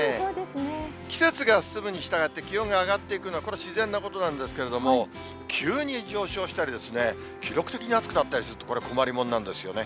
季節が進むにしたがって、気温が上がっていくのは、これ、自然なことなんですけれども、急に上昇したり、記録的に暑くなったりすると、これ、困りもんなんですよね。